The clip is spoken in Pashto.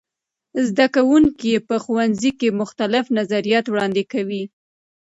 زده کوونکي په ښوونځي کې مختلف نظریات وړاندې کوي.